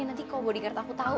nanti kalau bodyguard aku tahu